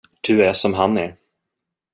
Du är som han är.